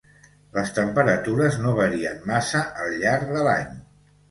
Les temperatures no varien massa al llarg de l'any.